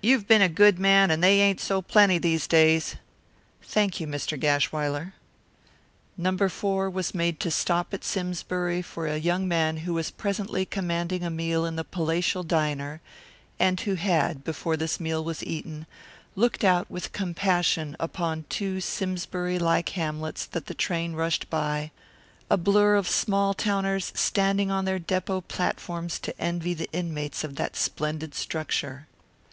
You've been a good man, and they ain't so plenty these days." "Thank you, Mr. Gashwiler." No. 4 was made to stop at Simsbury for a young man who was presently commanding a meal in the palatial diner, and who had, before this meal was eaten, looked out with compassion upon two Simsbury like hamlets that the train rushed by, a blur of small towners standing on their depot platforms to envy the inmates of that splendid structure.